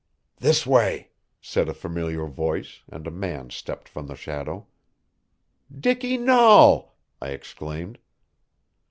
"This way," said a familiar voice, and a man stepped from the shadow. "Dicky Nahl!" I exclaimed.